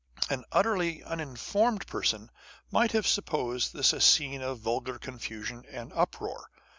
An utterly uninformed person might have supposed this a scene of vulgar confusion and uproar.